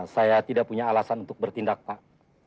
saya tidak punya alasan untuk bertindak pak